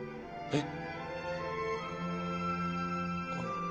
えっ？